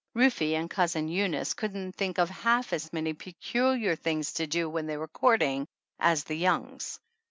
Rufe and Cousin Eunice couldn't think of half as many peculiar things to do when they were courting as the Youngs.